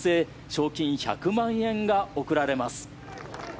賞金１００万円が贈られます。